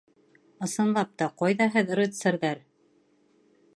Ысынлап та, ҡайҙа һеҙ, рыцарҙәр?